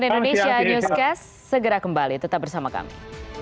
dan cnn indonesia newscast segera kembali tetap bersama kami